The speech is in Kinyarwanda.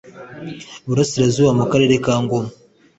burasirazuba mu karere ka ngoma